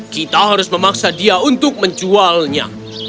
kita harus memaksa dia untuk menjualnya